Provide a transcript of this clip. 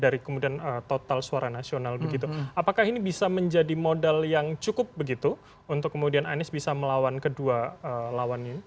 dari kemudian total suara nasional begitu apakah ini bisa menjadi modal yang cukup begitu untuk kemudian anies bisa melawan kedua lawannya